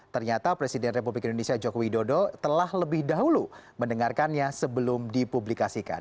ternyata presiden republik indonesia joko widodo telah lebih dahulu mendengarkannya sebelum dipublikasikan